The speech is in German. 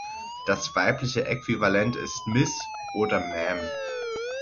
Das weibliche Äquivalent ist "Miss" oder "Ma’am".